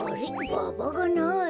ババがない。